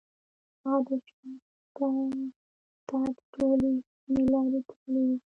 هغه د شاته تګ ټولې شونې لارې تړلې وې.